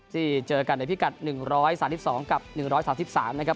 เจอกันในพิกัด๑๓๒กับ๑๓๓นะครับ